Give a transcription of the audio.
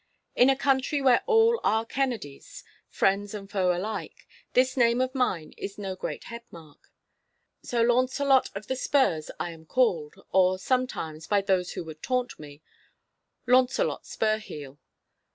In a country where all are Kennedies, friends and foes alike, this name of mine is no great head mark. So 'Launcelot of the Spurs' I am called, or sometimes, by those who would taunt me, 'Launcelot Spurheel.